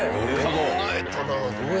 考えたな。